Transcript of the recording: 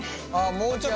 もうちょっと。